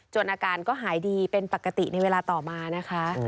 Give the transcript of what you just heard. อาการก็หายดีเป็นปกติในเวลาต่อมานะคะ